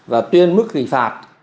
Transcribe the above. và tuyên mức hình phạt